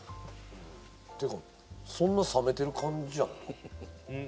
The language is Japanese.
うんていうかそんな冷めてる感じやった？